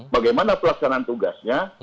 bagaimana pelaksanaan tugasnya